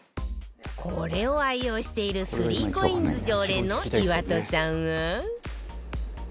これを愛用している ３ＣＯＩＮＳ 常連の岩戸さんは